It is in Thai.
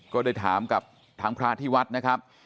ก็ได้ถามกับทางพระที่วัดนะครับ